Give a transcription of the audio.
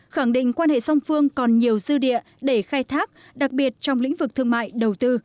khẳng định quan hệ song phương còn nhiều dư địa để khai thác đặc biệt trong lĩnh vực thương mại đầu tư